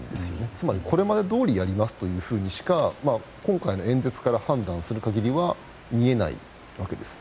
つまり、これまでどおりやりますというふうにしか今回の演説から判断する限りは見えないわけです。